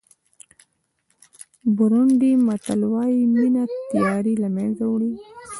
بورونډي متل وایي مینه تیارې له منځه وړي.